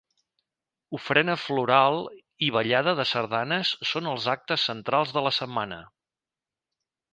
Ofrena floral i ballada de sardanes són els actes centrals de la setmana.